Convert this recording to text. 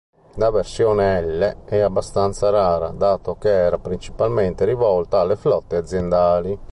La versione "L" è abbastanza rara, dato che era principalmente rivolta alle flotte aziendali.